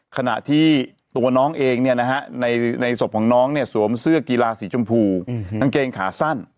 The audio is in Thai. ขณะที่ตัวน้องเองในศพของน้องเนี่ยสวมเสื้อกีฬาสีชมพูกางเกงขาสั้น